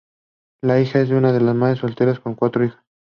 Es Hija de una madre soltera con cuatro hijas.